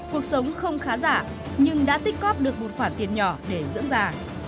cuộc sống không khá giả nhưng đã tích cóp được một khoản tiền nhỏ để dưỡng già